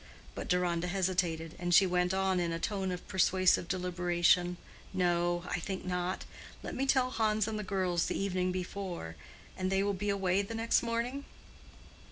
But Deronda hesitated, and she went on in a tone of persuasive deliberation—"No, I think not. Let me tell Hans and the girls the evening before, and they will be away the next morning?"